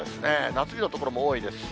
夏日の所も多いです。